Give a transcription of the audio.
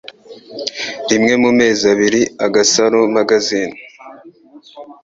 rimwe mu mezi abiri Agasaro Magazine